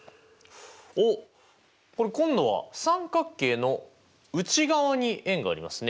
おっこれ今度は三角形の内側に円がありますね。